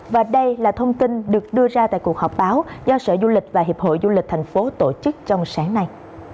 và đây là thông tin được đưa ra tại cuộc họp báo do sở du lịch và hiệp hội du lịch thành phố tổ chức trong sáng nay